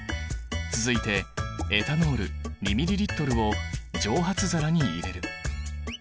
続いてエタノール２ミリリットルを蒸発皿に入れる。